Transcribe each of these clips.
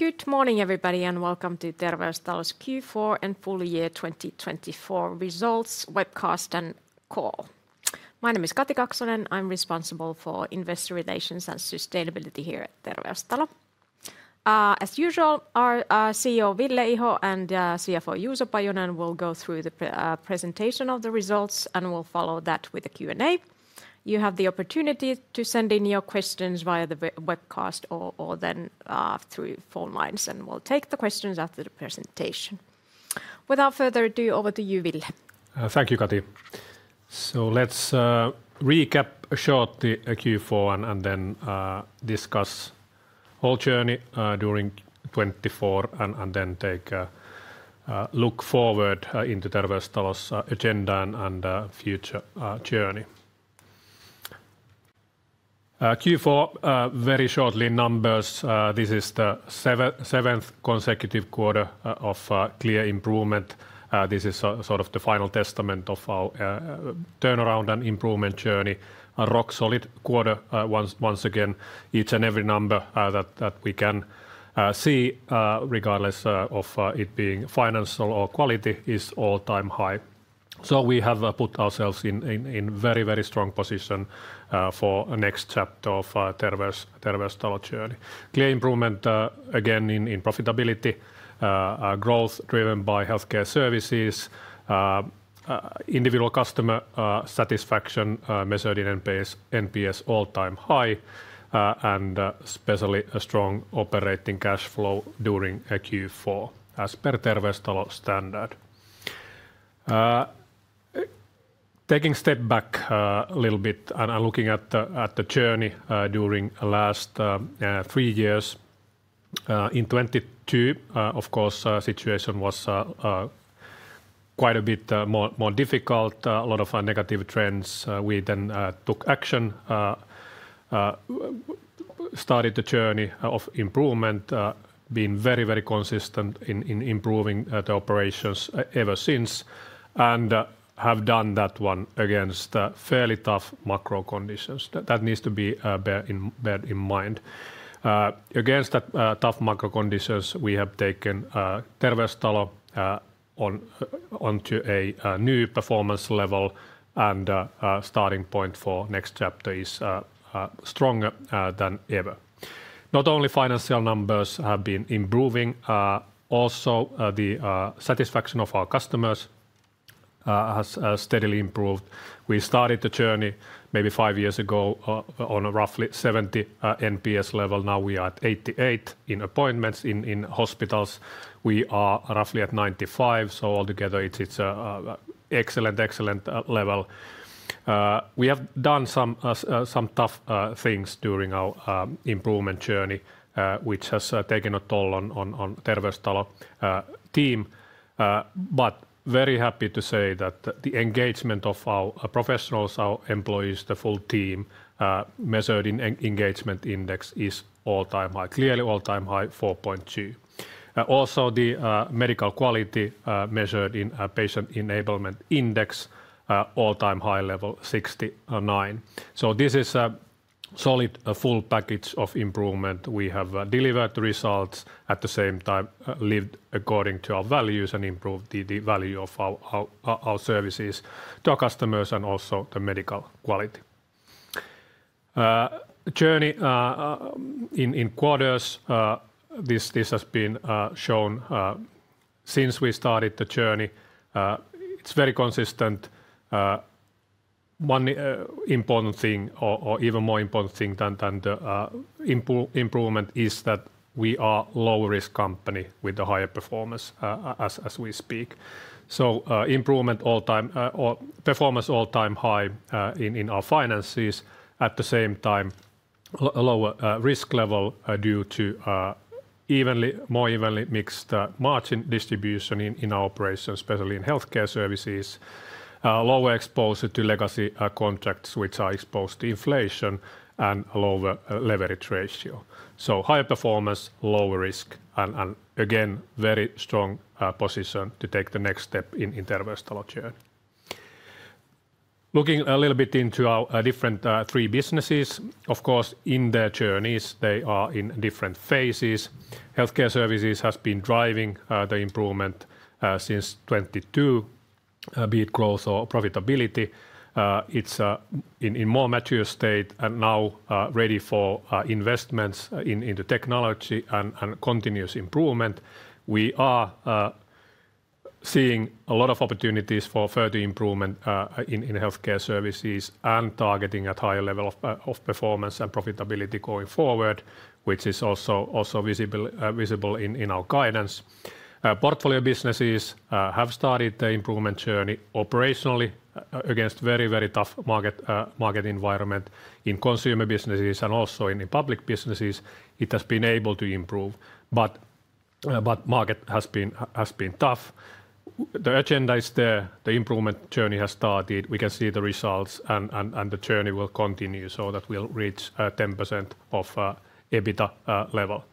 Good morning, everybody, and welcome to Terveystalo's Q4 and Full Year 2024 Results webcast and call. My name is Kati Kaksonen. I'm responsible for investor relations and sustainability here at Terveystalo. As usual, our CEO, Ville Iho, and CFO, Juuso Pajunen, will go through the presentation of the results and will follow that with a Q&A. You have the opportunity to send in your questions via the webcast or then through phone lines, and we'll take the questions after the presentation. Without further ado, over to you, Ville. Thank you, Kati. Let's recap shortly Q4 and then discuss the whole journey during 2024 and then take a look forward into Terveystalo's agenda and future journey. Q4, very shortly, numbers. This is the seventh consecutive quarter of clear improvement. This is the final testament of our turnaround and improvement journey. A rock-solid quarter, once again. Each and every number that we can see, regardless of it being financial or quality, is all-time high. We have put ourselves in a very strong position for the next chapter of Terveystalo's journey. Clear improvement, again, in profitability, growth driven by healthcare services, individual customer satisfaction, measured in NPS, all-time high, and especially a strong operating cash flow during Q4, as per Terveystalo standard. Taking a step back a little bit and looking at the journey during the last three years, in 2022, of course, the situation was quite a bit more difficult, a lot of negative trends. We then took action, started the journey of improvement, been very consistent in improving the operations ever since, and have done that against fairly tough macro conditions. That needs to be borne in mind. Against tough macro conditions, we have taken Terveystalo onto a new performance level, and the starting point for the next chapter is stronger than ever. Not only financial numbers have been improving, also the satisfaction of our customers has steadily improved. We started the journey maybe five years ago on a roughly 70 NPS level. Now we are at 88 in appointments in hospitals. We are roughly at 95. So altogether, it's an excellent, excellent level. We have done some tough things during our improvement journey, which has taken a toll on the Terveystalo team. But very happy to say that the engagement of our professionals, our employees, the full team, measured in engagement index, is all-time high, clearly all-time high, 4.2. Also, the medical quality measured in patient enablement index, all-time high level, 69. This is a solid full package of improvement. We have delivered results at the same time, lived according to our values, and improved the value of our services to our customers and also the medical quality. Journey in quarters, this has been shown since we started the journey. It's very consistent. One important thing, or even more important thing than the improvement, is that we are a low-risk company with a higher performance as we speak. Performance all-time high in our finances, at the same time, a lower risk level due to more evenly mixed margin distribution in our operations, especially in healthcare services, lower exposure to legacy contracts which are exposed to inflation, and lower leverage ratio. Higher performance, lower risk, and again, very strong position to take the next step in Terveystalo's journey. Looking a little bit into our different three businesses, of course, in their journeys, they are in different phases. Healthcare services has been driving the improvement since 2022, be it growth or profitability. It's in a more mature state and now ready for investments into technology and continuous improvement. We are seeing a lot of opportunities for further improvement in healthcare services and targeting at a higher level of performance and profitability going forward, which is also visible in our guidance. Portfolio businesses have started the improvement journey operationally against a very tough market environment in consumer businesses and also in public businesses. It has been able to improve, but the market has been tough. The agenda is there. The improvement journey has started. We can see the results, and the journey will continue so that we'll reach 10% EBITDA level.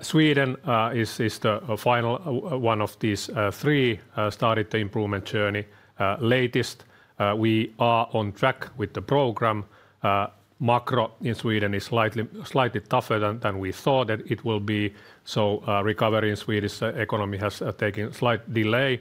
Sweden is the final one of these three that started the improvement journey. Latest, we are on track with the program. Macro in Sweden is slightly tougher than we thought that it would be. So recovery in Sweden's economy has taken a slight delay.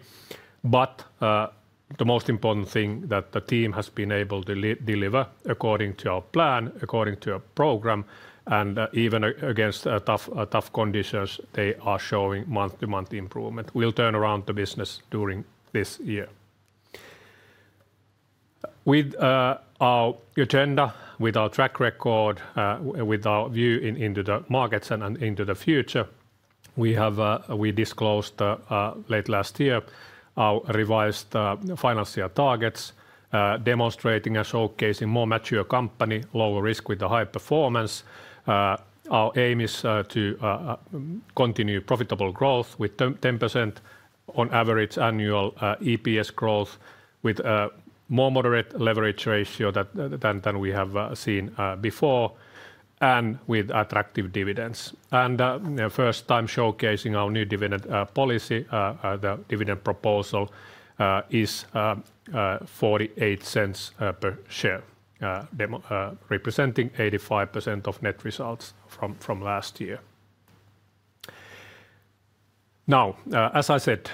But the most important thing is that the team has been able to deliver according to our plan, according to our program, and even against tough conditions, they are showing month-to-month improvement. We'll turn around the business during this year. With our agenda, with our track record, with our view into the markets and into the future, we disclosed late last year our revised financial targets, demonstrating a showcase in a more mature company, lower risk with a high performance. Our aim is to continue profitable growth with 10% on average annual EPS growth, with a more moderate leverage ratio than we have seen before, and with attractive dividends. For the first time showcasing our new dividend policy. The dividend proposal is 0.48 per share, representing 85% of Net Results from last year. Now, as I said,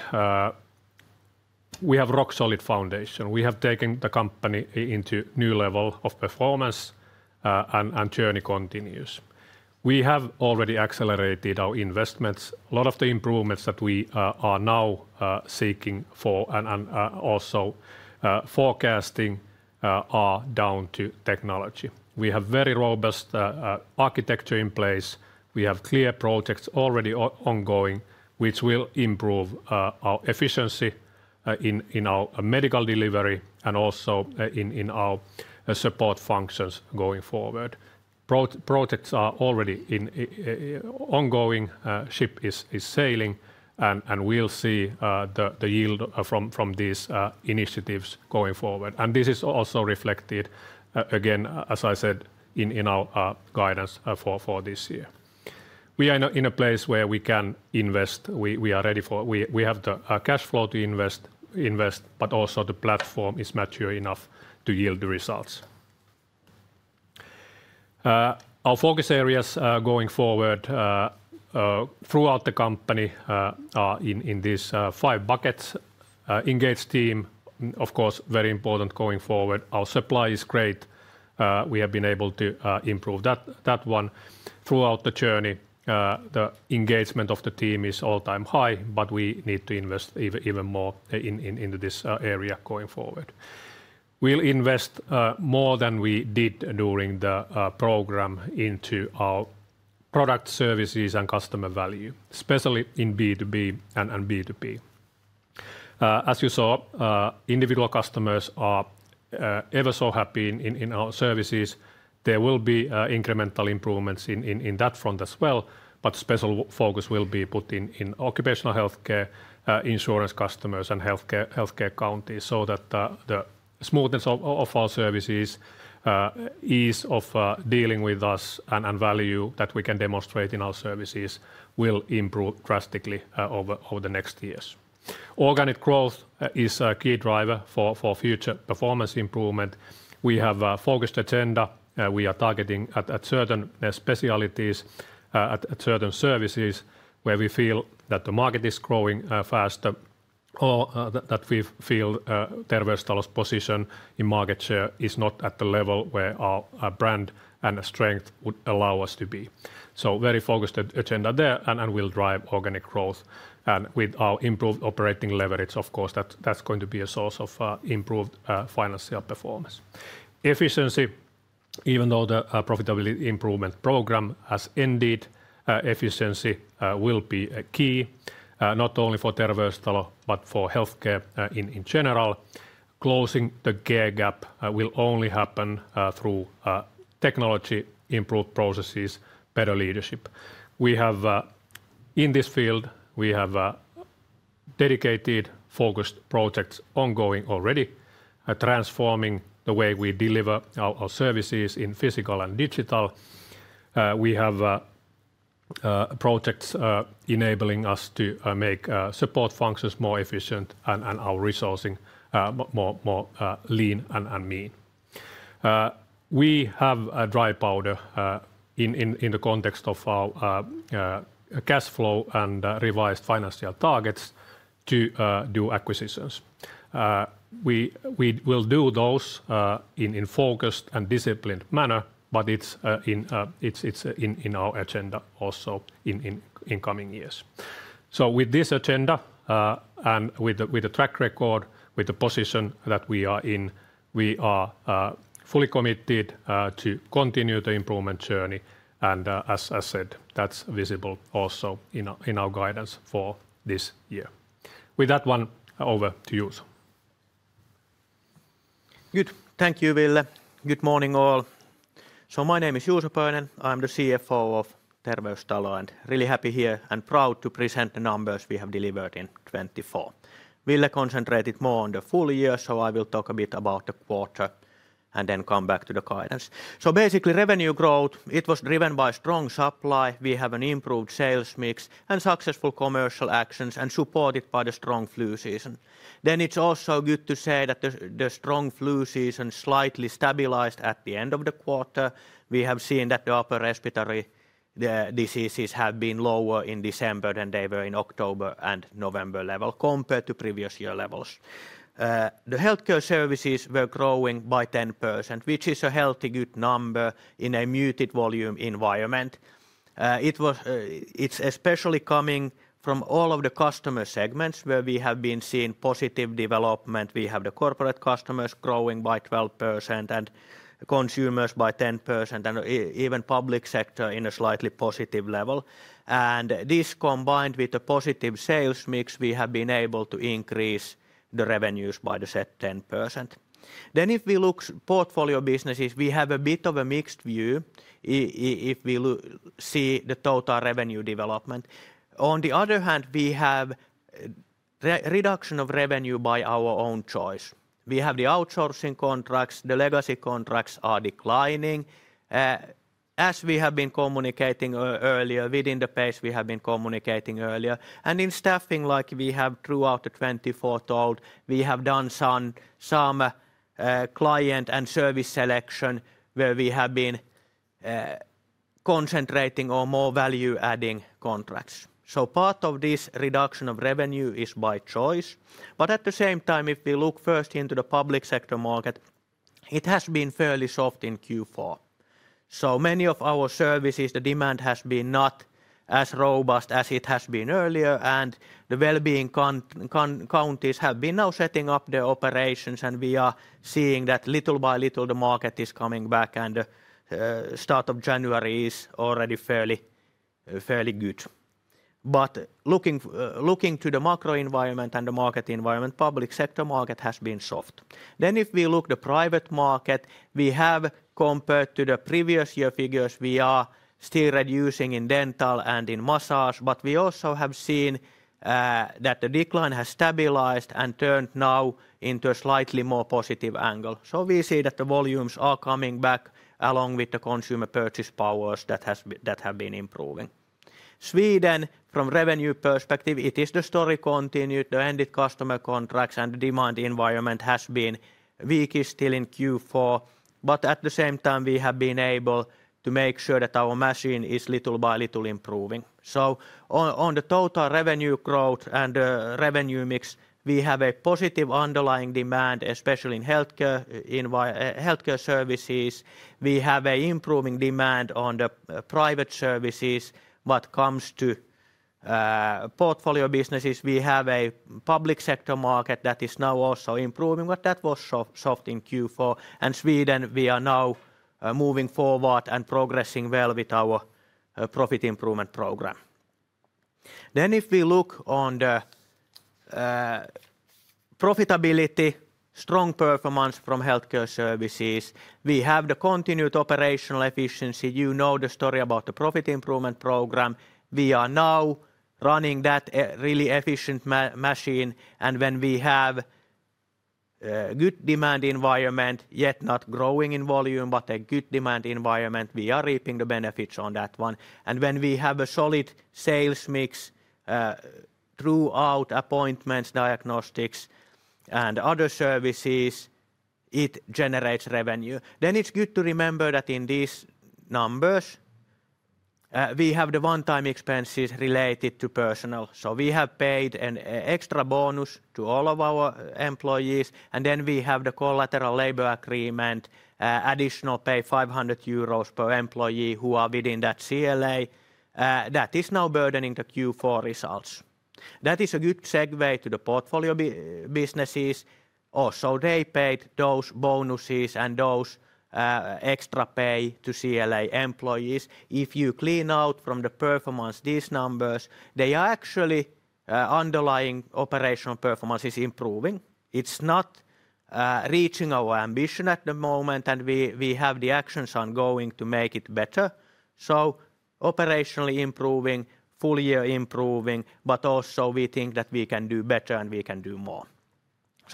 we have a rock-solid foundation. We have taken the company into a new level of performance, and the journey continues. We have already accelerated our investments. A lot of the improvements that we are now seeking for and also forecasting are down to technology. We have a very robust architecture in place. We have clear projects already ongoing, which will improve our efficiency in our medical delivery and also in our support functions going forward. Projects are already ongoing. The ship is sailing, and we'll see the yield from these initiatives going forward. This is also reflected, again, as I said, in our guidance for this year. We are in a place where we can invest. We are ready for it. We have the cash flow to invest, but also the platform is mature enough to yield the results. Our focus areas going forward throughout the company are in these five buckets. Engaged team, of course, very important going forward. Our supply is great. We have been able to improve that one throughout the journey. The engagement of the team is all-time high, but we need to invest even more into this area going forward. We'll invest more than we did during the program into our product services and customer value, especially in B2B and B2P. As you saw, individual customers are ever so happy in our services. There will be incremental improvements in that front as well, but special focus will be put in occupational healthcare, insurance customers, and healthcare counties so that the smoothness of our services, ease of dealing with us, and value that we can demonstrate in our services will improve drastically over the next years. Organic growth is a key driver for future performance improvement. We have a focused agenda. We are targeting at certain specialties, at certain services where we feel that the market is growing faster, or that we feel Terveystalo's position in market share is not at the level where our brand and strength would allow us to be. Very focused agenda there, and we'll drive organic growth. And with our improved operating leverage, of course, that's going to be a source of improved financial performance. Efficiency, even though the profitability improvement program has ended, efficiency will be key, not only for Terveystalo but for healthcare in general. Closing the care gap will only happen through technology, improved processes, better leadership. In this field, we have dedicated focused projects ongoing already, transforming the way we deliver our services in physical and digital. We have projects enabling us to make support functions more efficient and our resourcing more lean and mean. We have dry powder in the context of our cash flow and revised financial targets to do acquisitions. We will do those in a focused and disciplined manner, but it's in our agenda also in coming years. With this agenda and with the track record, with the position that we are in, we are fully committed to continue the improvement journey. As I said, that's visible also in our guidance for this year. With that, I hand it over to you. Good. Thank you, Ville. Good morning, all. My name is Juuso Pajunen. I'm the CFO of Terveystalo and really happy here and proud to present the numbers we have delivered in 2024. Ville concentrated more on the full year, I will talk a bit about the quarter and then come back to the guidance. Basically, revenue growth, it was driven by strong supply. We have an improved sales mix and successful commercial actions and supported by the strong flu season. Then it's also good to say that the strong flu season slightly stabilized at the end of the quarter. We have seen that the upper respiratory diseases have been lower in December than they were in October and November level compared to previous year levels. The healthcare services were growing by 10%, which is a healthy good number in a muted volume environment. It's especially coming from all of the customer segments where we have been seeing positive development. We have the corporate customers growing by 12% and consumers by 10% and even public sector in a slightly positive level. This combined with the positive sales mix, we have been able to increase the revenues by the said 10%. If we look at portfolio businesses, we have a bit of a mixed view if we see the total revenue development. On the other hand, we have reduction of revenue by our own choice. We have the outsourcing contracts. The legacy contracts are declining. As we have been communicating earlier, within the pace we have been communicating earlier. In staffing, like we have throughout the '24 talk, we have done some client and service selection where we have been concentrating on more value-adding contracts. Part of this reduction of revenue is by choice. But at the same time, if we look first into the public sector market, it has been fairly soft in Q4. Many of our services, the demand has been not as robust as it has been earlier, and the Well-being Counties have been now setting up their operations, and we are seeing that little by little the market is coming back, and the start of January is already fairly good. But looking to the macro environment and the market environment, public sector market has been soft. If we look at the private market, we have compared to the previous year figures, we are still reducing in dental and in massage, but we also have seen that the decline has stabilized and turned now into a slightly more positive angle. We see that the volumes are coming back along with the consumer purchase powers that have been improving. Sweden, from revenue perspective, it is the story continued. The ended customer contracts and the demand environment has been weak still in Q4, but at the same time, we have been able to make sure that our machine is little by little improving. On the total revenue growth and revenue mix, we have a positive underlying demand, especially in healthcare services. We have an improving demand on the private services. What comes to portfolio businesses, we have a public sector market that is now also improving, but that was soft in Q4. Sweden, we are now moving forward and progressing well with our profit improvement program. If we look on the profitability, strong performance from healthcare services, we have the continued operational efficiency. You know the story about the profit improvement program. We are now running that really efficient machine, and when we have a good demand environment, yet not growing in volume, but a good demand environment, we are reaping the benefits on that one. When we have a solid sales mix throughout appointments, diagnostics, and other services, it generates revenue. Then it's good to remember that in these numbers, we have the one-time expenses related to personnel. So we have paid an extra bonus to all of our employees, and then we have the collective labor agreement, additional pay €500 per employee who are within that CLA that is now burdening the Q4 results. That is a good segue to the portfolio businesses. Also, they paid those bonuses and those extra pay to CLA employees. If you clean out from the performance these numbers, they are actually underlying operational performance is improving. It's not reaching our ambition at the moment, and we have the actions ongoing to make it better. Operationally improving, full year improving, but also we think that we can do better and we can do more.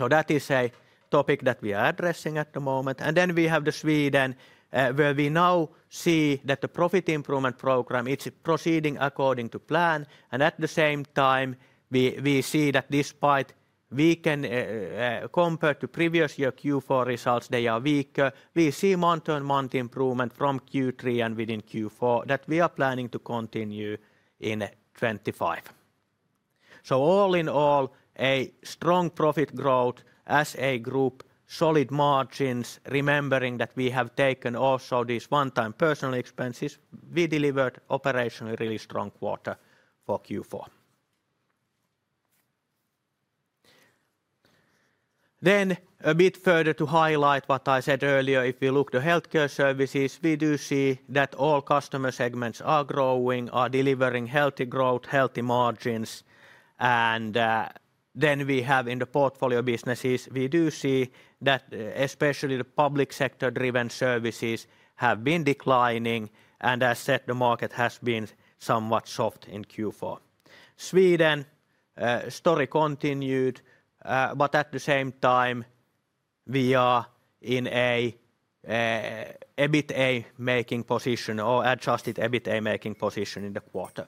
That is a topic that we are addressing at the moment. We have the Sweden where we now see that the profit improvement program is proceeding according to plan. At the same time, we see that despite weaken compared to previous year Q4 results, they are weaker. We see month-on-month improvement from Q3 and within Q4 that we are planning to continue in 2025. All in all, a strong profit growth as a group, solid margins, remembering that we have taken also these one-time personal expenses, we delivered operationally really strong quarter for Q4. A bit further to highlight what I said earlier, if we look to healthcare services, we do see that all customer segments are growing, are delivering healthy growth, healthy margins. In the portfolio businesses, we do see that especially the public sector-driven services have been declining. As said, the market has been somewhat soft in Q4. Sweden, story continued, but at the same time, we are in a bit of a making position or adjusted a bit of a making position in the quarter.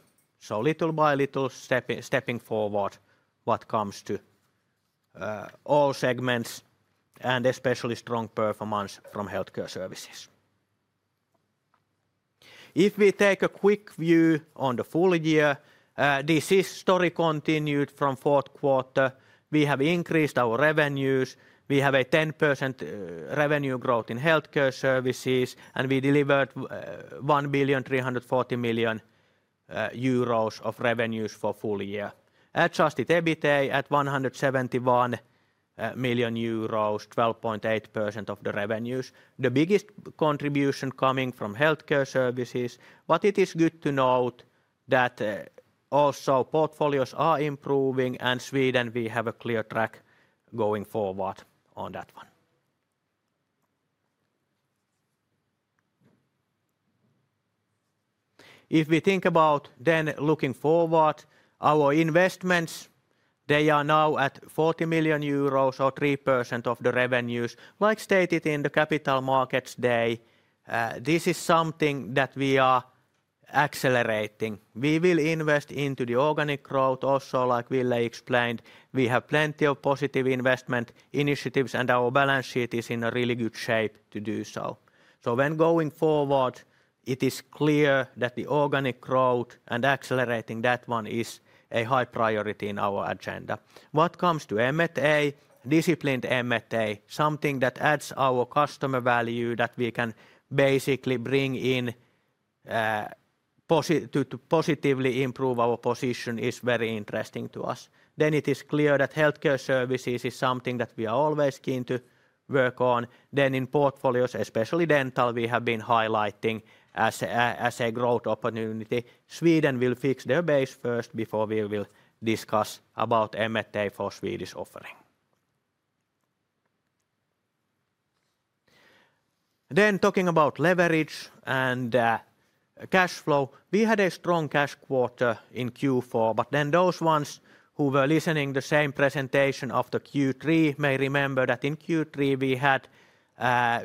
Little by little stepping forward what comes to all segments and especially strong performance from healthcare services. If we take a quick view on the full year, this is story continued from fourth quarter. We have increased our revenues. We have a 10% revenue growth in healthcare services, and we delivered €1,340 million of revenues for full year. Adjusted EBITDA at €171 million, 12.8% of the revenues. The biggest contribution coming from healthcare services, but it is good to note that also portfolios are improving, and Sweden, we have a clear track going forward on that one. If we think about then looking forward, our investments, they are now at €40 million, so 3% of the revenues, like stated in the capital markets day. This is something that we are accelerating. We will invest into the organic growth also, like Ville explained. We have plenty of positive investment initiatives, and our balance sheet is in a really good shape to do so. When going forward, it is clear that the organic growth and accelerating that one is a high priority in our agenda. What comes to M&A, disciplined M&A, something that adds our customer value that we can basically bring in to positively improve our position is very interesting to us. It is clear that healthcare services is something that we are always keen to work on. In portfolios, especially dental, we have been highlighting as a growth opportunity. Sweden will fix their base first before we will discuss about M&A for Swedish offering. Talking about leverage and cash flow, we had a strong cash quarter in Q4, but those ones who were listening to the same presentation after Q3 may remember that in Q3 we had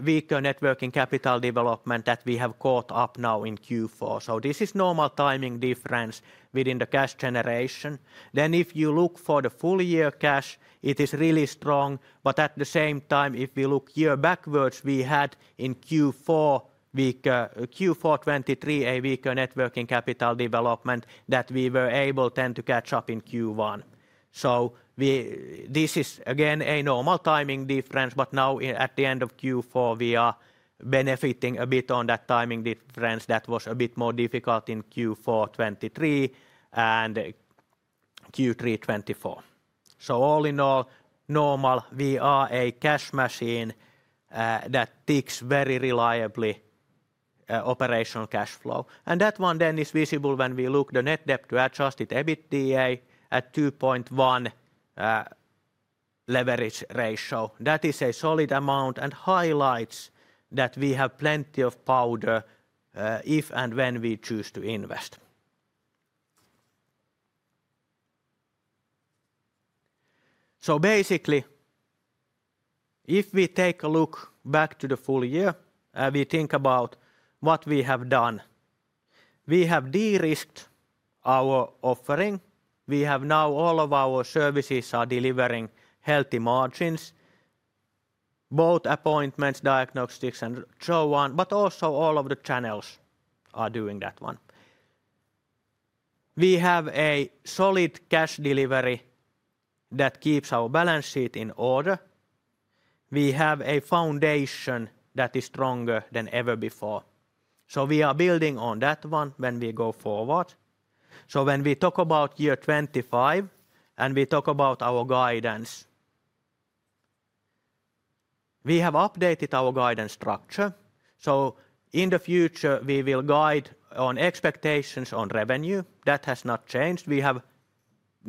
weaker Net Working Capital development that we have caught up now in Q4. This is normal timing difference within the cash generation. If you look for the full year cash, it is really strong, but at the same time, if we look year backwards, we had in Q4 2023 a weaker Net Working Capital development that we were able then to catch up in Q1. This is again a normal timing difference, but now at the end of Q4, we are benefiting a bit on that timing difference that was a bit more difficult in Q4 2023 and Q3 2024. All in all, normal, we are a cash machine that ticks very reliably operational cash flow. That one then is visible when we look at the Net Debt to Adjusted EBITDA at 2.1 leverage ratio. That is a solid amount and highlights that we have plenty of powder if and when we choose to invest. Basically, if we take a look back to the full year and we think about what we have done, we have de-risked our offering. We have now all of our services are delivering healthy margins, both appointments, diagnostics, and so on, but also all of the channels are doing that one. We have a solid cash delivery that keeps our balance sheet in order. We have a foundation that is stronger than ever before. We are building on that one when we go forward. When we talk about year '25 and we talk about our guidance, we have updated our guidance structure. In the future, we will guide on expectations on revenue. That has not changed. We have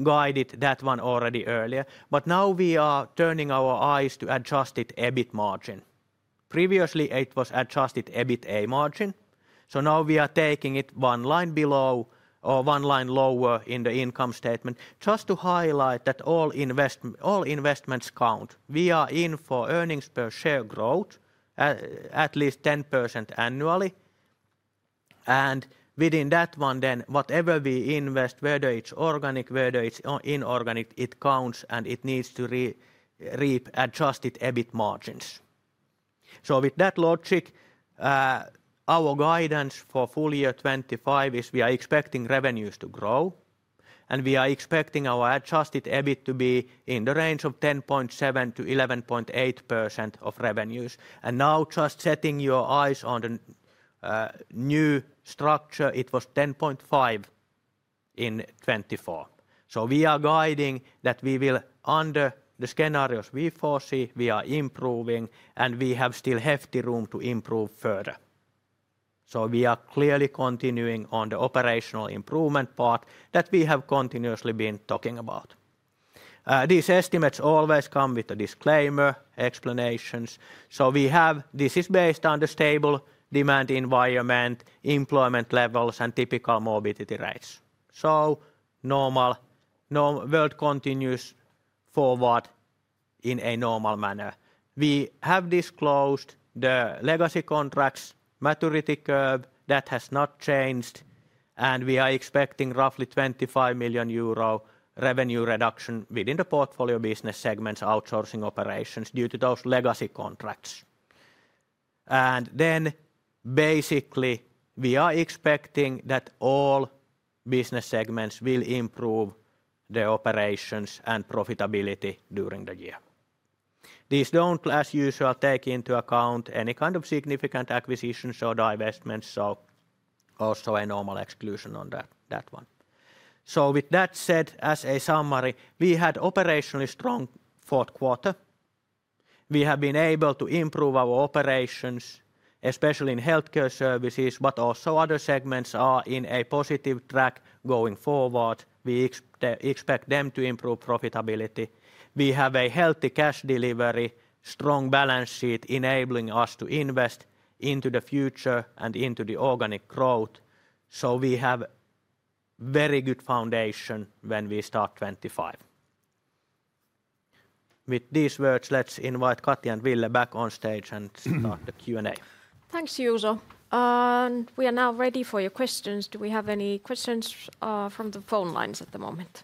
guided that one already earlier. But now we are turning our eyes to Adjusted EBIT margin. Previously, it was Adjusted EBIT margin. Now we are taking it one line below or one line lower in the income statement just to highlight that all investments count. We are in for earnings per share growth at least 10% annually. Within that one then, whatever we invest, whether it's organic, whether it's inorganic, it counts and it needs to reap Adjusted EBIT margins. With that logic, our guidance for full year '25 is we are expecting revenues to grow and we are expecting our Adjusted EBIT to be in the range of 10.7% to 11.8% of revenues. Now just setting your eyes on the new structure, it was 10.5% in '24. We are guiding that we will under the scenarios we foresee, we are improving and we have still hefty room to improve further. We are clearly continuing on the operational improvement part that we have continuously been talking about. These estimates always come with a disclaimer, explanations. This is based on the stable demand environment, employment levels, and typical morbidity rates. Normal world continues forward in a normal manner. We have disclosed the legacy contracts, maturity curve that has not changed, and we are expecting roughly €25 million revenue reduction within the portfolio business segments outsourcing operations due to those legacy contracts. Basically, we are expecting that all business segments will improve their operations and profitability during the year. These don't, as usual, take into account any kind of significant acquisitions or divestments, also a normal exclusion on that one. With that said, as a summary, we had operationally strong fourth quarter. We have been able to improve our operations, especially in healthcare services, but also other segments are in a positive track going forward. We expect them to improve profitability. We have a healthy cash delivery, strong balance sheet enabling us to invest into the future and into the organic growth. So we have a very good foundation when we start '25. With these words, let's invite Kati and Ville back on stage and start the Q&A. Thanks, Juuso. We are now ready for your questions. Do we have any questions from the phone lines at the moment?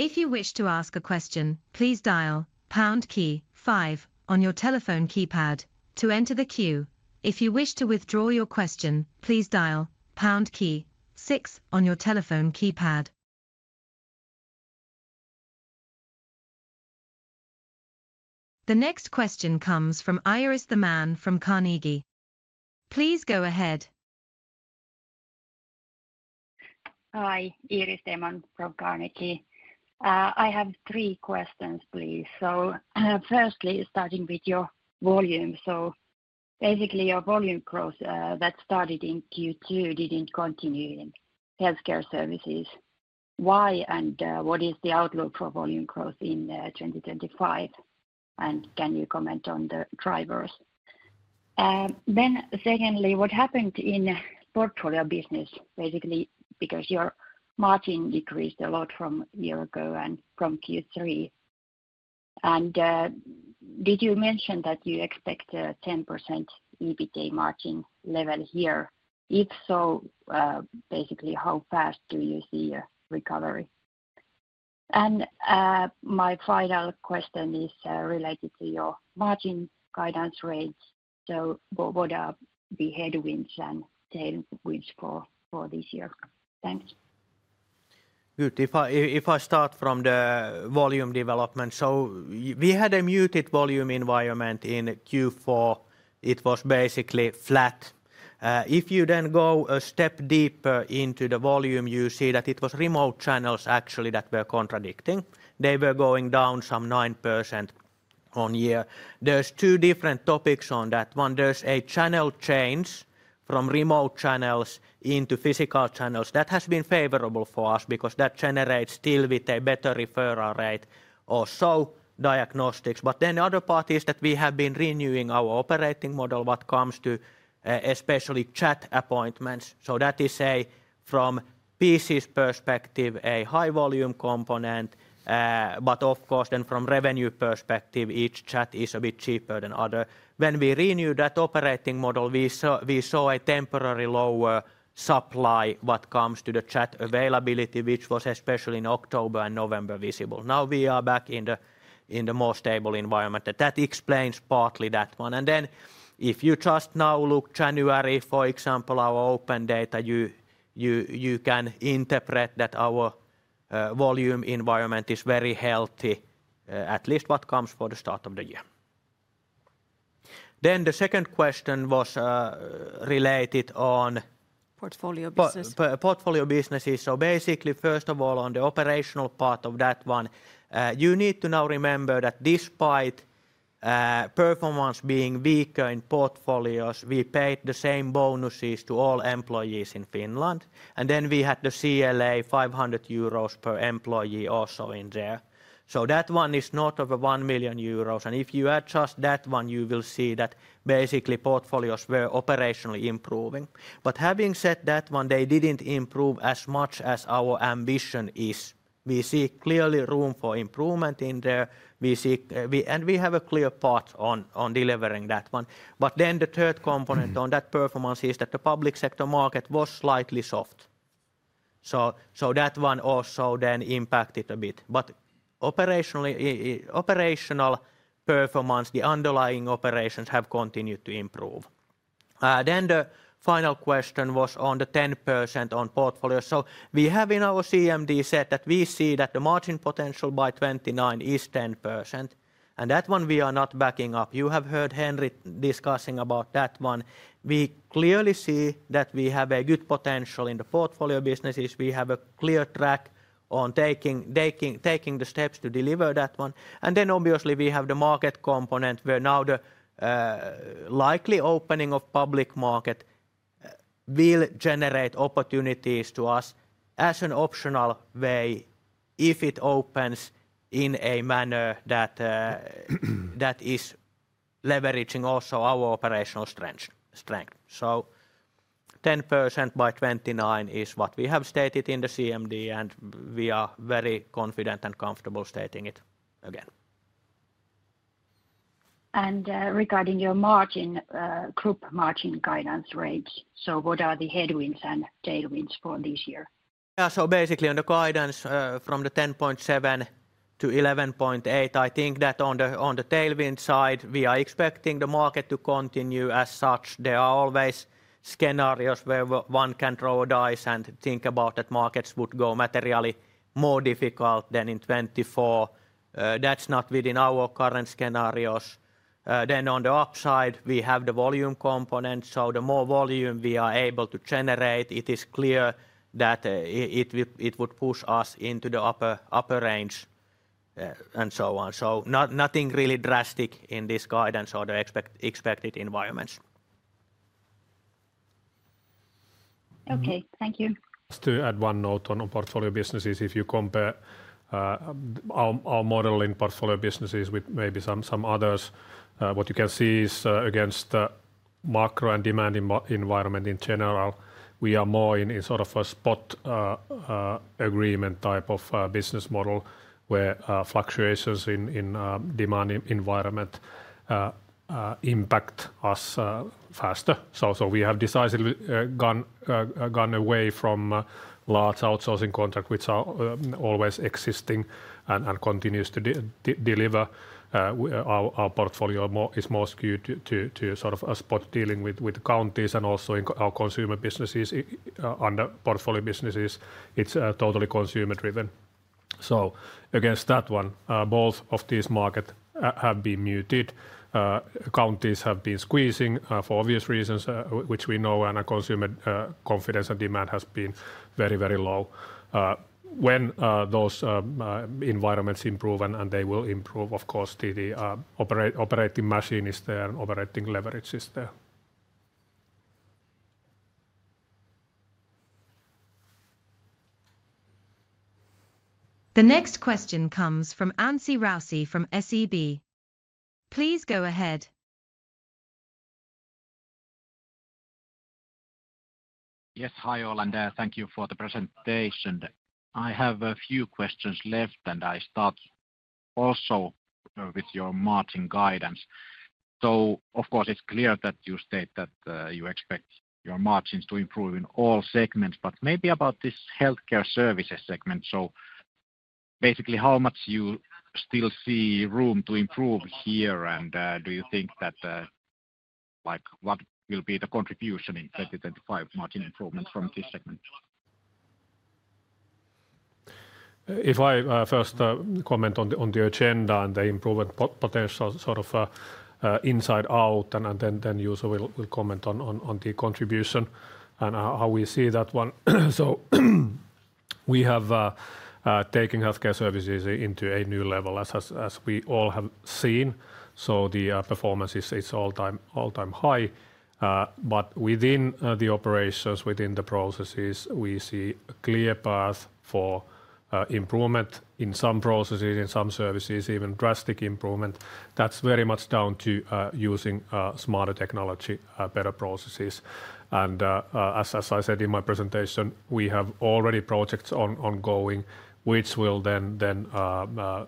If you wish to ask a question, please dial #5 on your telephone keypad to enter the queue. If you wish to withdraw your question, please dial #6 on your telephone keypad. The next question comes from Iiris Theman from Carnegie. Please go ahead. Hi, Iiris Theman from Carnegie. I have three questions, please. Firstly, starting with your volume. Your volume growth that started in Q2 didn't continue in healthcare services. Why and what is the outlook for volume growth in 2025? Can you comment on the drivers? Secondly, what happened in portfolio business, because your margin decreased a lot from a year ago and from Q3? Did you mention that you expect a 10% EBITDA margin level here? If so, how fast do you see a recovery? My final question is related to your margin guidance rates. What are the headwinds and tailwinds for this year? Thanks. If I start from the volume development, we had a muted volume environment in Q4. It was flat. If you then go a step deeper into the volume, you see that it was remote channels that were contracting. They were going down some 9% on year. There are two different topics on that one. There's a channel change from remote channels into physical channels that has been favorable for us because that generates still with a better referral rate or so diagnostics. But then the other part is that we have been renewing our operating model what comes to especially chat appointments. So that is a, from Primary Care perspective, a high volume component. But of course, then from revenue perspective, each chat is a bit cheaper than other. When we renewed that operating model, we saw a temporary lower supply what comes to the chat availability, which was especially in October and November visible. Now we are back in the more stable environment. That explains partly that one. If you just now look at January, for example, our open data, you can interpret that our volume environment is very healthy, at least what comes for the start of the year. The second question was related on Portfolio businesses. Portfolio business, Basically, first of all, on the operational part of that one, you need to now remember that despite performance being weaker in portfolios, we paid the same bonuses to all employees in Finland. We had the CLA €500 per employee also in there. That one is not over €1 million. If you adjust that one, you will see that basically portfolios were operationally improving. Having said that one, they didn't improve as much as our ambition is. We see clearly room for improvement in there. We have a clear path on delivering that one. The third component on that performance is that the public sector market was slightly soft. That one also impacted a bit. Operational performance, the underlying operations have continued to improve. The final question was on the 10% on portfolios. We have in our CMD said that we see that the margin potential by '29 is 10%. We are not backing up on that one. You have heard Henry discussing about that one. We clearly see that we have a good potential in the portfolio businesses. We have a clear track on taking the steps to deliver that one. Obviously we have the market component where now the likely opening of public market will generate opportunities to us as an optional way if it opens in a manner that is leveraging also our operational strength. 10% by '29 is what we have stated in the CMD and we are very confident and comfortable stating it again. Regarding your margin, group margin guidance rates, what are the headwinds and tailwinds for this year? Basically on the guidance from the 10.7% to 11.8%, I think that on the tailwind side, we are expecting the market to continue as such. There are always scenarios where one can draw a dice and think about that markets would go materially more difficult than in '24. That's not within our current scenarios. Then on the upside, we have the volume component. The more volume we are able to generate, it is clear that it would push us into the upper range and so on. Nothing really drastic in this guidance or the expected environments. Okay, thank you. Just to add one note on portfolio businesses, if you compare our model in portfolio businesses with maybe some others, what you can see is against the macro and demand environment in general, we are more in sort of a spot agreement type of business model where fluctuations in demand environment impact us faster. So we have decided to run away from large outsourcing contracts, which are always existing and continue to deliver. Our portfolio is more skewed to sort of spot dealing with counties and also in our consumer businesses under portfolio businesses. It's totally consumer-driven. So against that one, both of these markets have been muted. Counties have been squeezing for obvious reasons, which we know, and our consumer confidence and demand has been very, very low. When those environments improve and they will improve, of course, the operating machine is there and operating leverage is there. The next question comes from Anssi Raussi from SEB. Please go ahead. Yes, hi all and thank you for the presentation. I have a few questions left and I start also with your margin guidance. Of course, it's clear that you state that you expect your margins to improve in all segments, but maybe about this healthcare services segment. Basically, how much do you still see room to improve here and do you think that what will be the contribution in 2025 margin improvement from this segment? If I first comment on the agenda and the improvement potential sort of inside out, and then Juuso will comment on the contribution and how we see that one. We have taken healthcare services into a new level, as we all have seen. The performance is all-time high. Within the operations, within the processes, we see a clear path for improvement in some processes, in some services, even drastic improvement. That's very much down to using smarter technology, better processes. As I said in my presentation, we have already projects ongoing, which will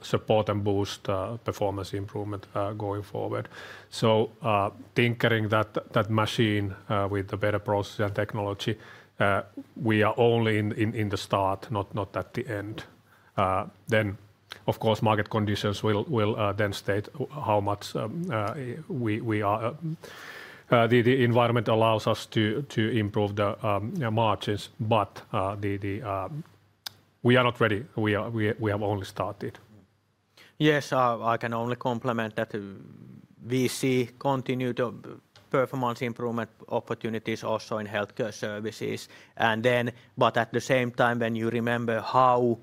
support and boost performance improvement going forward. Tinkering that machine with the better process and technology, we are only in the start, not at the end. Of course, market conditions will state how much the environment allows us to improve the margins. We are not ready. We have only started. Yes, I can only complement that we see continued performance improvement opportunities also in healthcare services. At the same time, when you remember how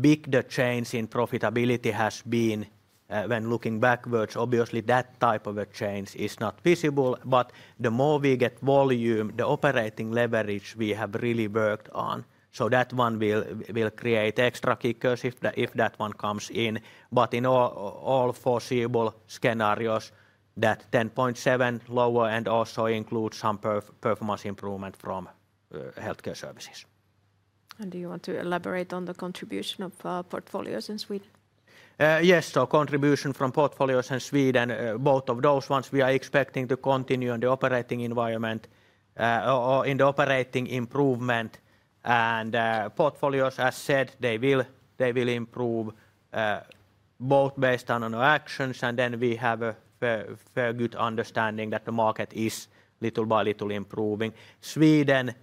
big the change in profitability has been when looking backwards, obviously that type of a change is not visible. The more we get volume, the operating leverage we have really worked on. That one will create extra kickers if that one comes in. In all foreseeable scenarios, that 10.7% lower also includes some performance improvement from healthcare services. Do you want to elaborate on the contribution of portfolios in Sweden? Yes, contribution from portfolios in Sweden, both of those ones we are expecting to continue in the operating environment or in the operating improvement. Portfolios, as said, they will improve both based on our actions. We have a fair good understanding that the market is little by little improving. Sweden,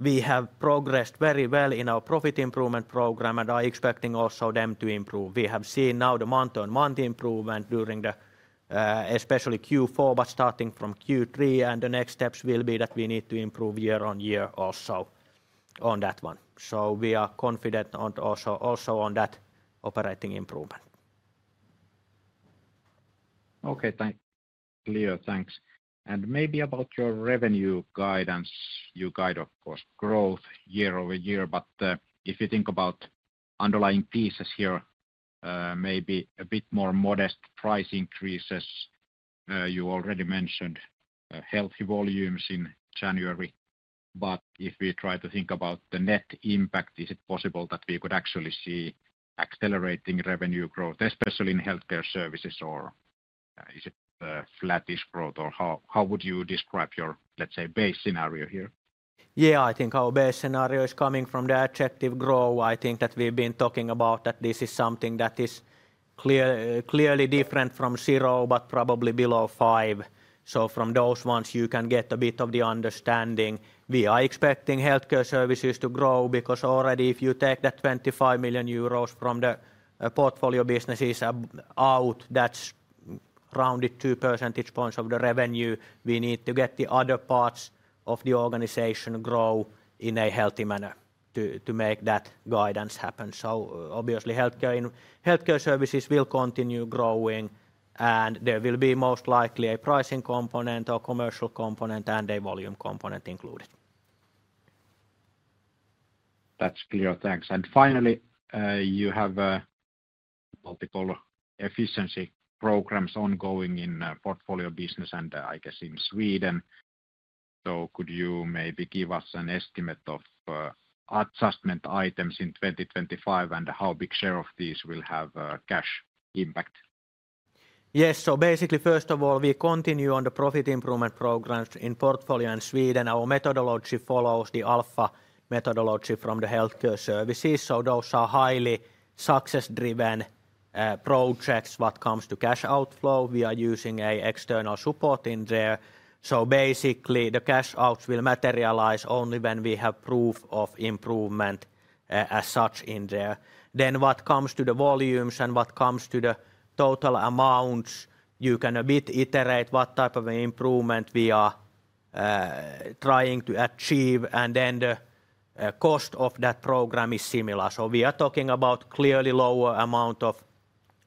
we have progressed very well in our profit improvement program and I'm expecting also them to improve. We have seen now the month-on-month improvement during the, especially Q4, starting from Q3. The next steps will be that we need to improve year on year also on that one. So we are confident also on that operating improvement. Okay, thank you, Juuso. Thanks. Maybe about your revenue guidance, you guide, of course, growth year over year. But if you think about underlying pieces here, maybe a bit more modest price increases. You already mentioned healthy volumes in January. But if we try to think about the net impact, is it possible that we could actually see accelerating revenue growth, especially in healthcare services? Or is it flatish growth? Or how would you describe your, let's say, base scenario here? Yeah, I think our base scenario is coming from the attractive growth. I think that we've been talking about that this is something that is clearly different from zero, but probably below 5%. From those ones, you can get a bit of the understanding. We are expecting healthcare services to grow because already if you take that €25 million from the portfolio businesses out, that's rounded two percentage points of the revenue. We need to get the other parts of the organization to grow in a healthy manner to make that guidance happen. Obviously, healthcare services will continue growing and there will be most likely a pricing component or commercial component and a volume component included. That's clear. Thanks. Finally, you have multiple efficiency programs ongoing in portfolio business and I guess in Sweden. Could you maybe give us an estimate of adjustment items in 2025 and how big share of these will have cash impact? Yes, basically, first of all, we continue on the profit improvement programs in portfolio in Sweden. Our methodology follows the ALFA methodology from the healthcare services. Those are highly success-driven projects when it comes to cash outflow. We are using external support in there. Basically, the cash outs will materialize only when we have proof of improvement as such in there. Then when it comes to the volumes and when it comes to the total amounts, you can iterate what type of improvement we are trying to achieve. The cost of that program is similar. We are talking about clearly lower amount of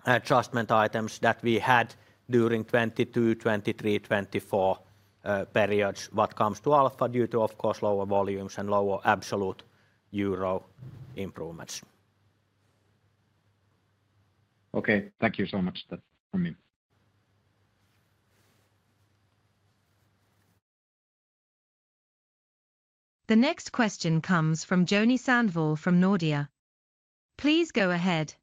adjustment items that we had during 2022, 2023, 2024 periods when it comes to ALFA due to, of course, lower volumes and lower absolute euro improvements. Thank you so much. The next question comes from Joni Sandvall from Nordea. Please go ahead.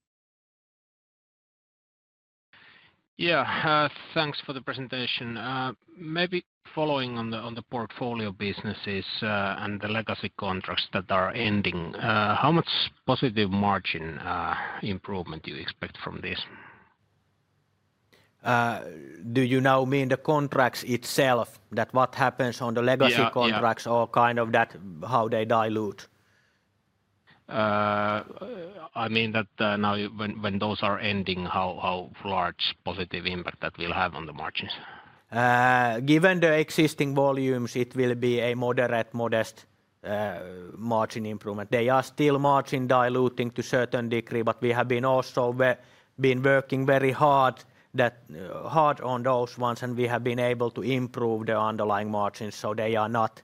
Thanks for the presentation. Maybe following on the portfolio businesses and the legacy contracts that are ending, how much positive margin improvement do you expect from this? Do you now mean the contracts itself, that what happens on the legacy contracts or kind of that how they dilute? I mean that now when those are ending, how large positive impact that will have on the margins? Given the existing volumes, it will be a moderate, modest margin improvement. They are still margin diluting to a certain degree, but we have also been working very hard on those ones and we have been able to improve the underlying margins. So they are not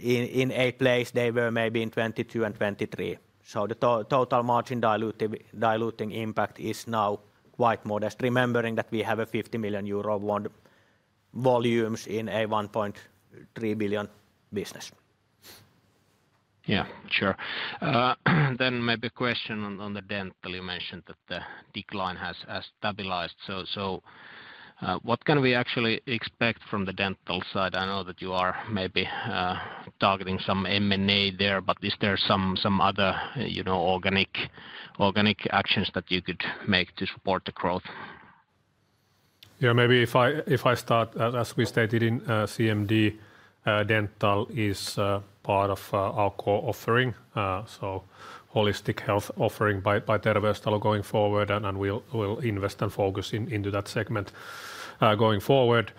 in a place they were maybe in 2022 and 2023. So the total margin diluting impact is now quite modest, remembering that we have a €50 million volumes in a €1.3 billion business. Yeah, sure. Then maybe a question on the dental. You mentioned that the decline has stabilized. What can we actually expect from the dental side? I know that you are maybe targeting some M&A there, but is there some other organic actions that you could make to support the growth? Yeah, maybe if I start, as we stated in CMD, dental is part of our core offering. Holistic health offering by Terveystalo going forward, and we'll invest and focus into that segment going forward.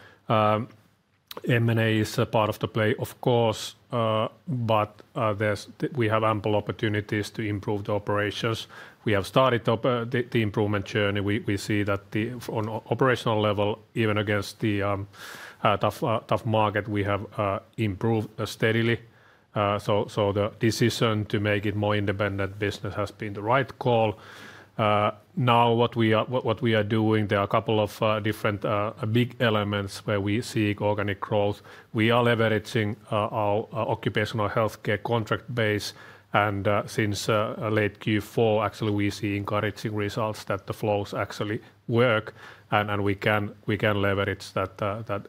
M&A is part of the play, of course, but we have ample opportunities to improve the operations. We have started the improvement journey. We see that on operational level, even against the tough market, we have improved steadily. The decision to make it more independent business has been the right call. Now what we are doing, there are a couple of different big elements where we see organic growth. We are leveraging our occupational healthcare contract base. Since late Q4, actually we see encouraging results that the flows actually work. We can leverage that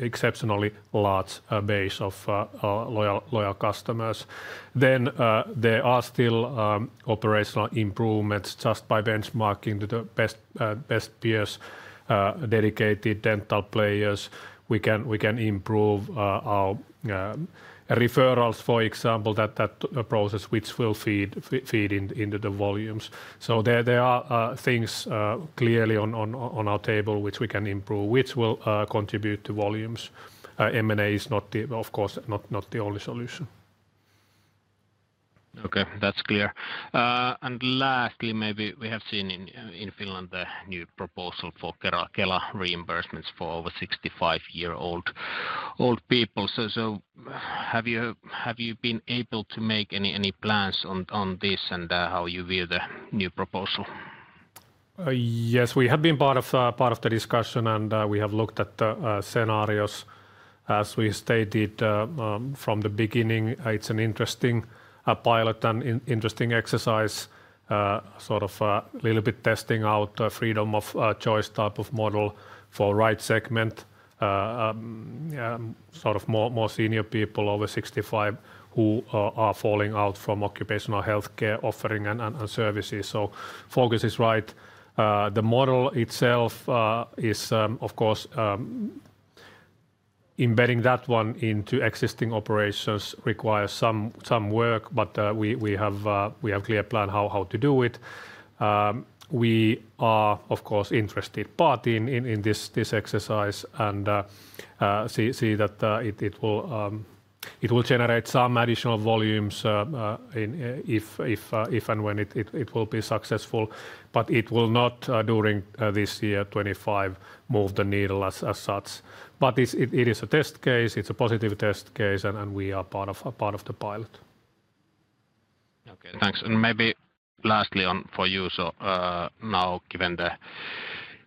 exceptionally large base of loyal customers. Then there are still operational improvements just by benchmarking to the best peers, dedicated dental players. We can improve our referrals, for example, that process, which will feed into the volumes. There are things clearly on our table which we can improve, which will contribute to volumes. M&A is not, of course, not the only solution. That's clear. Lastly, maybe we have seen in Finland the new proposal for Kela reimbursements for over 65-year-old people. Have you been able to make any plans on this and how you view the new proposal? Yes, we have been part of the discussion and we have looked at the scenarios. As we stated from the beginning, it's an interesting pilot and interesting exercise, sort of a little bit testing out the freedom of choice type of model for right segment, sort of more senior people over 65 who are falling out from occupational healthcare offering and services. So focus is right. The model itself is, of course, embedding that one into existing operations requires some work, but we have a clear plan how to do it. We are, of course, interested part in this exercise and see that it will generate some additional volumes if and when it will be successful. But it will not during this year 2025 move the needle as such. But it is a test case. It's a positive test case and we are part of the pilot. Okay, thanks. Maybe lastly for you, so now given the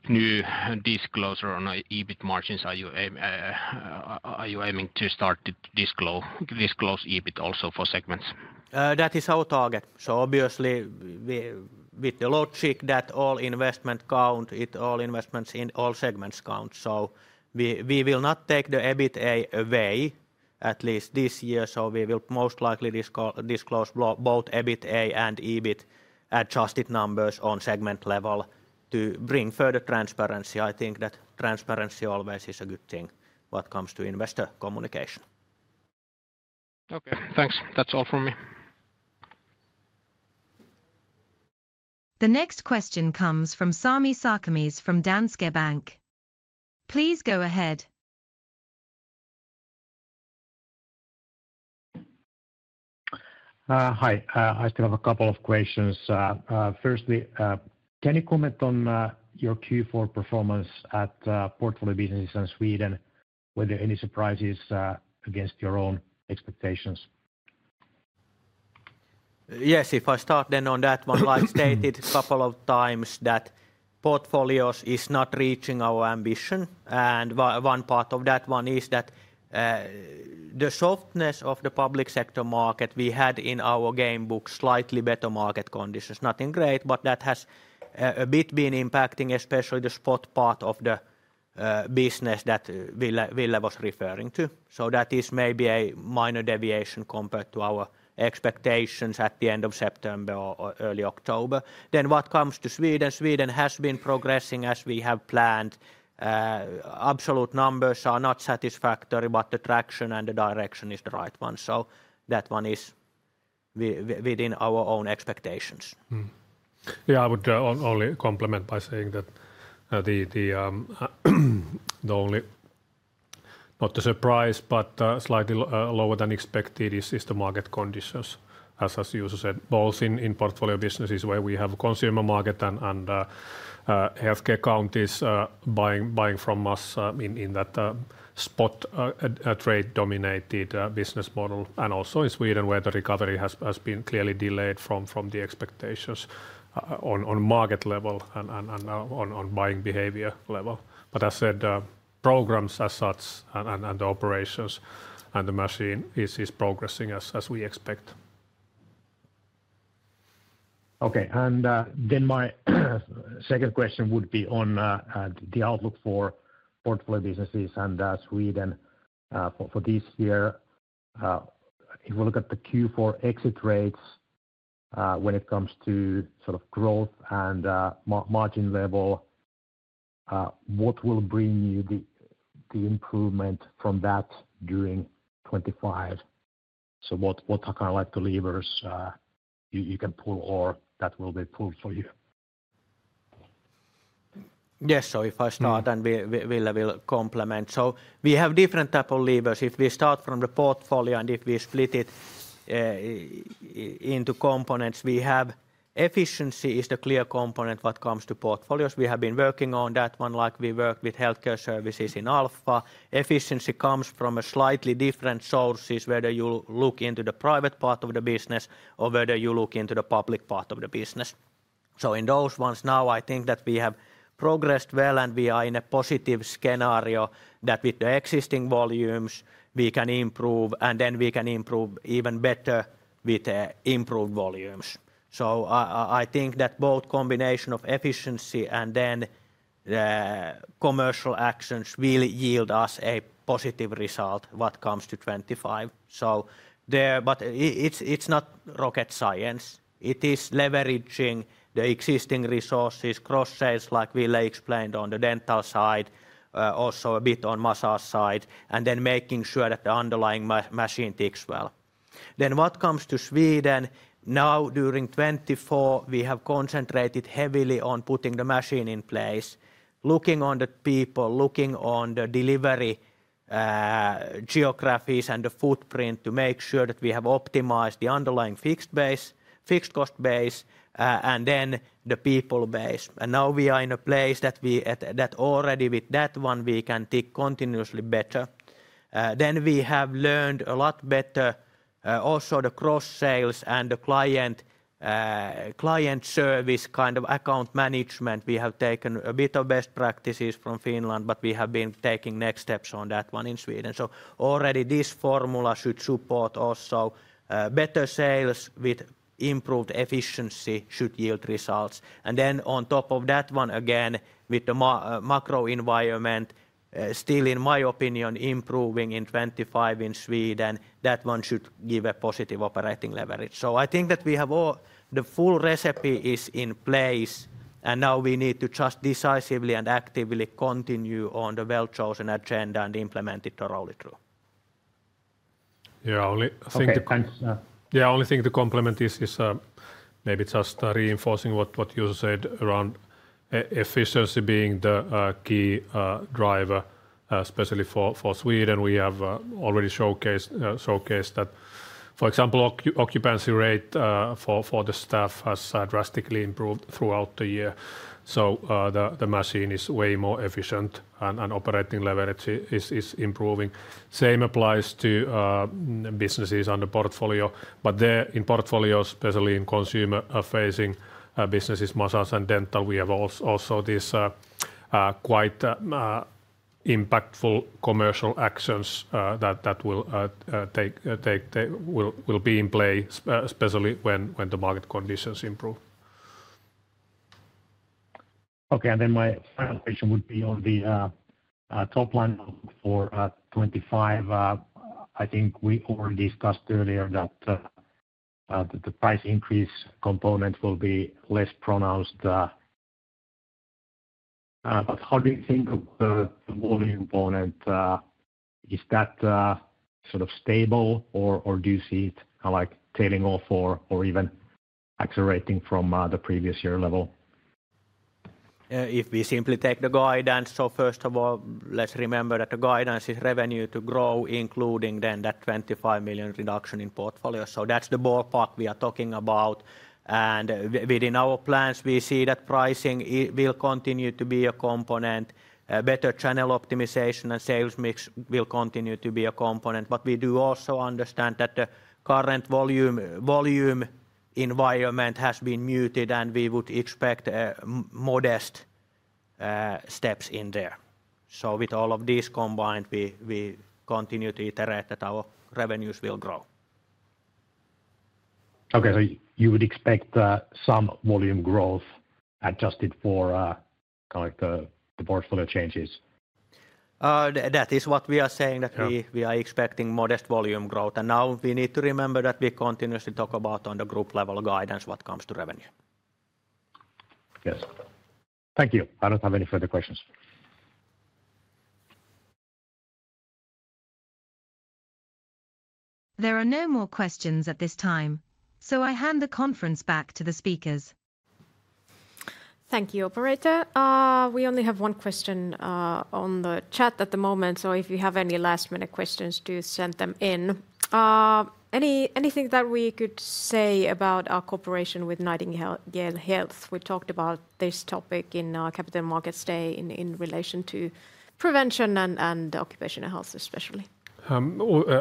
new disclosure on EBIT margins, are you aiming to start to disclose EBIT also for segments? That is our target. Obviously, with the logic that all investment count, all investments in all segments count. We will not take the EBITA away, at least this year. We will most likely disclose both EBITA and EBIT adjusted numbers on segment level to bring further transparency. I think that transparency always is a good thing what comes to investor communication. Okay, thanks. That's all from me. The next question comes from Sami Sarkamies from Danske Bank. Please go ahead. Hi, I still have a couple of questions. Firstly, can you comment on your Q4 performance at portfolio businesses in Sweden? Were there any surprises against your own expectations? If I start then on that one, like stated a couple of times, that portfolio is not reaching our ambition. One part of that one is that the softness of the public sector market we had in our game book, slightly better market conditions, nothing great, but that has a bit been impacting, especially the spot part of the business that Ville was referring to. That is maybe a minor deviation compared to our expectations at the end of September or early October. What comes to Sweden, Sweden has been progressing as we have planned. Absolute numbers are not satisfactory, but the traction and the direction is the right one. That one is within our own expectations. Yeah, I would only complement by saying that the only not the surprise, but slightly lower than expected is the market conditions, as you said, both in portfolio businesses where we have a consumer market and healthcare counties buying from us in that spot trade dominated business model. And also in Sweden where the recovery has been clearly delayed from the expectations on market level and on buying behavior level. But as said, programs as such and the operations and the machine is progressing as we expect. Okay, and then my second question would be on the outlook for portfolio businesses and Sweden for this year. If we look at the Q4 exit rates when it comes to sort of growth and margin level, what will bring you the improvement from that during 2025? What kind of levers can you pull or that will be pulled for you? Yes, if I start and Ville will complement. We have different types of levers. If we start from the portfolio and if we split it into components, we have efficiency as the clear component when it comes to portfolios. We have been working on that one, like we worked with healthcare services in ALFA. Efficiency comes from slightly different sources, whether you look into the private part of the business or whether you look into the public part of the business. In those ones now, I think that we have progressed well and we are in a positive scenario that with the existing volumes we can improve and then we can improve even better with improved volumes. I think that both combination of efficiency and then commercial actions will yield us a positive result what comes to 2025. But it's not rocket science. It is leveraging the existing resources, cross-sales like Ville explained on the dental side, also a bit on massage side, and then making sure that the underlying machine ticks well. What comes to Sweden, now during 2024, we have concentrated heavily on putting the machine in place, looking on the people, looking on the delivery geographies and the footprint to make sure that we have optimized the underlying fixed cost base and then the people base. Now we are in a place that already with that one we can tick continuously better. We have learned a lot better also the cross-sales and the client service kind of account management. We have taken a bit of best practices from Finland, but we have been taking next steps on that one in Sweden. Already this formula should support also better sales with improved efficiency should yield results. On top of that one again, with the macro environment, still in my opinion improving in 2025 in Sweden, that one should give a positive operating leverage. I think that we have the full recipe is in place and now we need to just decisively and actively continue on the well-chosen agenda and implement it to roll it through. The only thing to complement is maybe just reinforcing what you said around efficiency being the key driver, especially for Sweden. We have already showcased that, for example, occupancy rate for the staff has drastically improved throughout the year. The machine is way more efficient and operating leverage is improving. Same applies to businesses on the portfolio, but there in portfolios, especially in consumer-facing businesses, massage and dental, we have also these quite impactful commercial actions that will be in play, especially when the market conditions improve. My final question would be on the top line for 2025. I think we already discussed earlier that the price increase component will be less pronounced. But how do you think of the volume component? Is that sort of stable or do you see it tailing off or even accelerating from the previous year level? If we simply take the guidance, so first of all, let's remember that the guidance is revenue to grow, including then that $25 million reduction in portfolio. So that's the ballpark we are talking about. Within our plans, we see that pricing will continue to be a component. Better channel optimization and sales mix will continue to be a component. But we do also understand that the current volume environment has been muted and we would expect modest steps in there. So with all of these combined, we continue to iterate that our revenues will grow. Okay, so you would expect some volume growth adjusted for the portfolio changes. That is what we are saying, that we are expecting modest volume growth. And now we need to remember that we continuously talk about on the group level guidance what comes to revenue. Yes. Thank you. I don't have any further questions. There are no more questions at this time, so I hand the conference back to the speakers. Thank you, Operator. We only have one question on the chat at the moment, so if you have any last-minute questions, do send them in. Anything that we could say about our cooperation with Nightingale Health? We talked about this topic in our Capital Markets Day in relation to prevention and occupational health especially.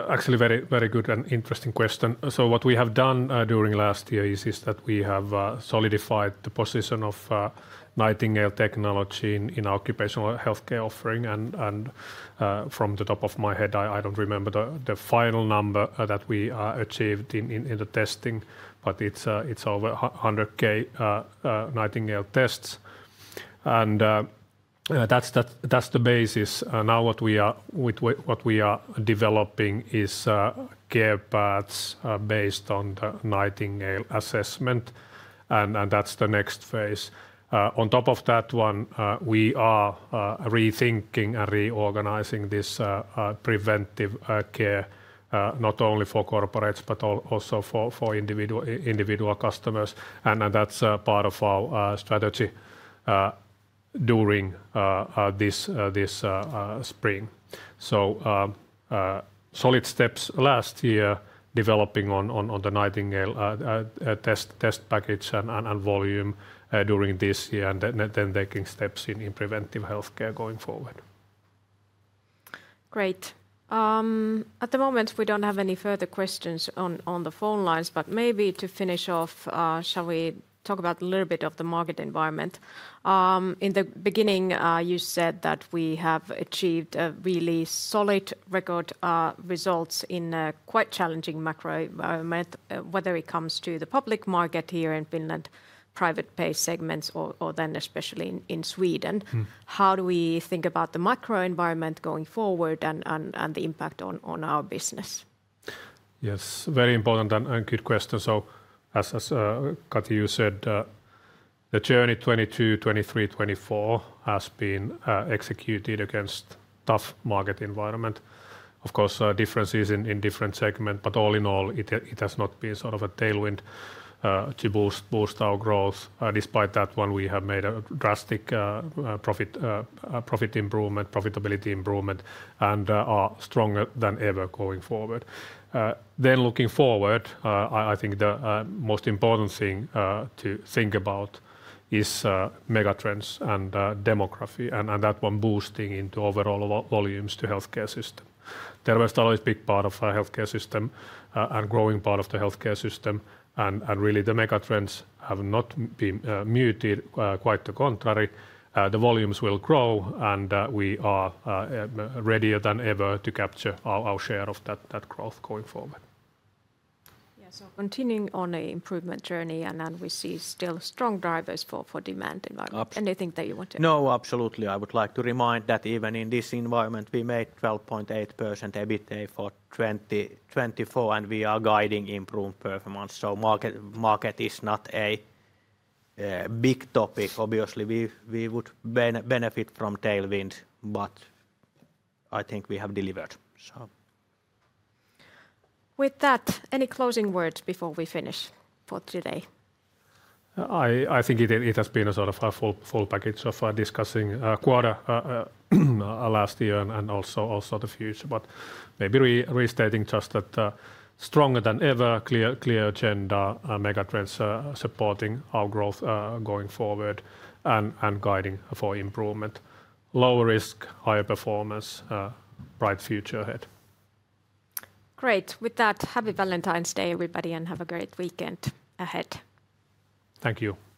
Actually, very good and interesting question. What we have done during last year is that we have solidified the position of Nightingale technology in our occupational healthcare offering. From the top of my head, I don't remember the final number that we achieved in the testing, but it's over 100,000 Nightingale tests. That's the basis. Now what we are developing is care paths based on the Nightingale assessment. That's the next phase. On top of that one, we are rethinking and reorganizing this preventive care not only for corporates but also for individual customers. That's part of our strategy during this spring. Solid steps last year developing on the Nightingale test package and volume during this year and then taking steps in preventive healthcare going forward. Great. At the moment, we don't have any further questions on the phone lines, but maybe to finish off, shall we talk about a little bit of the market environment? In the beginning, you said that we have achieved really solid record results in a quite challenging macro environment, whether it comes to the public market here in Finland, private-pay segments, or then especially in Sweden. How do we think about the macro environment going forward and the impact on our business? Yes, very important and good question. As Kati said, the journey 2022, 2023, 2024 has been executed against a tough market environment. Of course, differences in different segments, but all in all, it has not been sort of a tailwind to boost our growth. Despite that one, we have made a drastic profit improvement, profitability improvement, and are stronger than ever going forward. Looking forward, I think the most important thing to think about is megatrends and demography, and that one boosting into overall volumes to the healthcare system. Terveystalo is a big part of our healthcare system and growing part of the healthcare system. Really, the megatrends have not been muted. Quite the contrary, the volumes will grow, and we are readier than ever to capture our share of that growth going forward. So continuing on the improvement journey, and we see still strong drivers for demand environment. Anything that you want to add? No, absolutely. I would like to remind that even in this environment, we made 12.8% EBITDA for 2024, and we are guiding improved performance. The market is not a big topic. Obviously, we would benefit from tailwinds, but I think we have delivered. With that, any closing words before we finish for today? I think it has been a sort of full package of discussing quarter last year and also the future. Maybe restating just that stronger than ever, clear agenda, megatrends supporting our growth going forward and guiding for improvement. Lower risk, higher performance, bright future ahead. Great. With that, happy Valentine's Day, everybody, and have a great weekend ahead. Thank you.